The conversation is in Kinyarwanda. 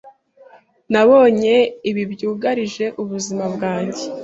Nabonye ibi byugarije ubuzima bwanjye.